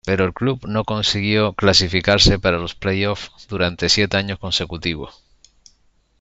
Pero el club no consiguió clasificarse para los playoff durante siete años consecutivos.